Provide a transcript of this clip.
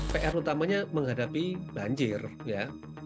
pr utamanya menghadapi banjir ya